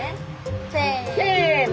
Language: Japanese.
せの！